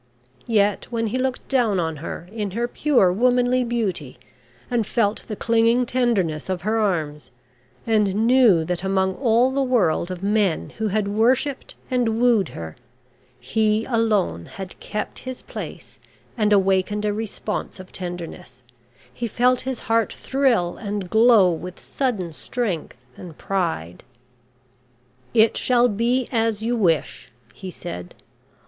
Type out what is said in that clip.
Yet when he looked down on her in her pure womanly beauty, and felt the clinging tenderness of her arms, and knew that among all the world of men who had worshipped and wooed her, he alone had kept his place and awakened a response of tenderness, he felt his heart thrill and glow with sudden strength and pride. "It shall be as you wish," he said.